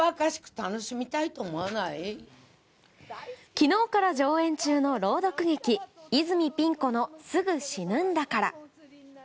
昨日から上演中の朗読劇泉ピン子の「すぐ死ぬんだから」。